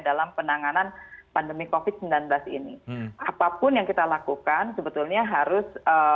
dalam penanganan pandemi covid sembilan belas ini apapun yang kita lakukan sebetulnya harus